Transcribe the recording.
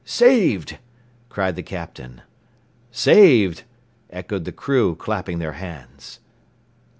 "Saved!" cried the Captain. "Saved!" echoed the crew, clapping their hands.